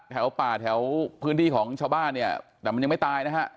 แถวป่าแถวพื้นที่ของชาวบ้านเนี่ยแต่มันยังไม่ตายนะฮะ